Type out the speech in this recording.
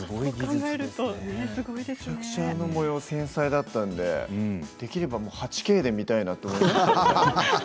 めちゃくちゃあの模様、繊細だったのでできれば８Ｋで見たいなと思いました。